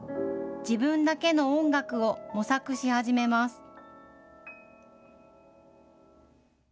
自分だけの音楽を模索し始めます。